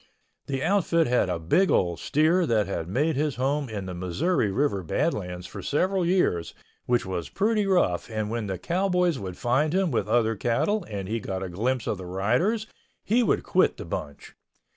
The outfit had a big old steer that had made his home in the Missouri River Badlands for several years, which was pretty rough and when the cowboys would find him with other cattle and he got a glimpse of the riders he would quit the bunch.